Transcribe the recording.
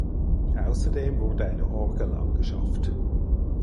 Außerdem wurde eine Orgel angeschafft.